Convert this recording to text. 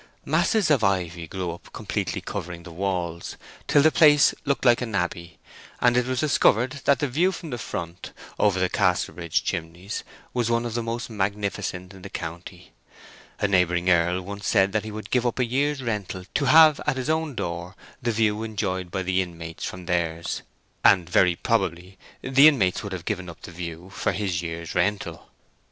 Masses of ivy grew up, completely covering the walls, till the place looked like an abbey; and it was discovered that the view from the front, over the Casterbridge chimneys, was one of the most magnificent in the county. A neighbouring earl once said that he would give up a year's rental to have at his own door the view enjoyed by the inmates from theirs—and very probably the inmates would have given up the view for his year's rental.